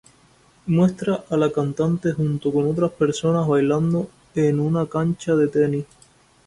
Muestra a la cantante junto con otras personas bailando en una cancha de tenis.